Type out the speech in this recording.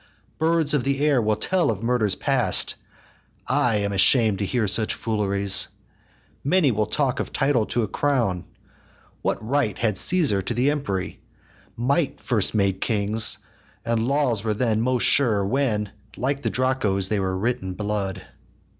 Birds of the air will tell of murders past! I am asham'd to hear such fooleries. Many will talk of title to a crown: What right had Caesar to the empery? Might first made kings, and laws were then most sure When, like the Draco's, they were writ in blood.